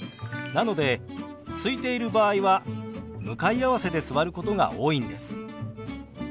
なのですいている場合は向かい合わせで座ることが多いんです。